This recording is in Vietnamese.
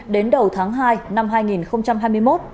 đến đầu tháng hai năm hai nghìn hai mươi một